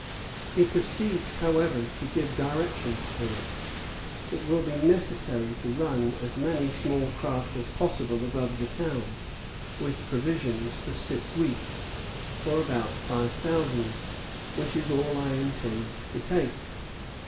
He proceeds, however, to give directions for it. "It will be necessary to run as many small craft as possible above the town, with provisions for six weeks, for about five thousand, which is all I intend to take.